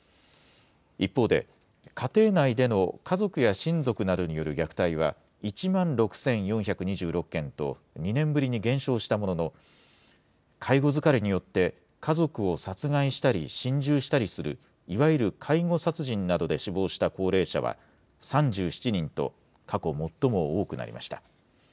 一方で、家庭内での家族や親族などによる虐待は、１万６４２６件と２年ぶりに減少したものの、介護疲れによって家族を殺害したり心中したりするいわゆる介護殺人などで死亡した高齢者は３７人と過去最も多くなりました。